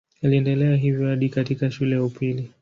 Aliendelea hivyo hadi katika shule ya upili.